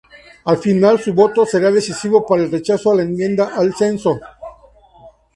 Al final, su voto será decisivo para el rechazo a la enmienda al censo.